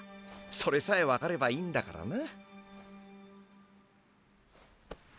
それさえ分かればいいんだからな。